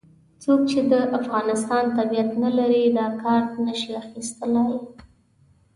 څوک چې د افغانستان تابعیت نه لري دا کارت نه شي اخستلای.